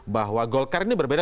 bahwa golkar ini berbeda